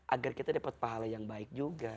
agar kita dapat pahala yang baik juga